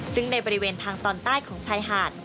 ซึ่งในบริเวณทางตอนใต้ของชายหาด